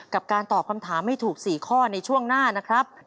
การตอบคำถามให้ถูก๔ข้อในช่วงหน้านะครับ